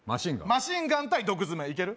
マシンガン対毒爪いける？